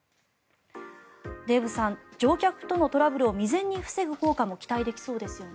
デーブさん、乗客とのトラブルを未然に防ぐ効果も期待できそうですよね。